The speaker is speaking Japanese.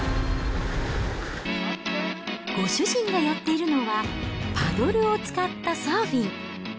ご主人がやっているのは、パドルを使ったサーフィン。